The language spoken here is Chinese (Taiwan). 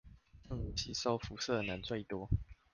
正午吸收輻射能最多